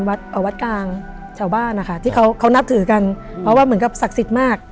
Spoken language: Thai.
วัดกลางชาวบ้านนะคะที่เขาเขานับถือกันเพราะว่าเหมือนกับศักดิ์สิทธิ์มาก